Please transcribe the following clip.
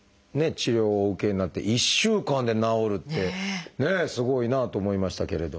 治療をお受けになって１週間で治るってねすごいなあと思いましたけれど。